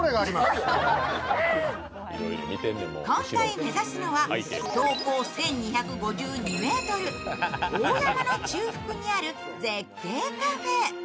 今回、目指すのは標高１２５２ｍ大山の中腹にある絶景カフェ。